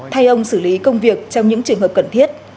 thay ông xử lý công việc trong những trường hợp cần thiết